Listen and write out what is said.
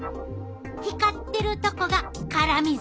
光ってるとこが辛み成分！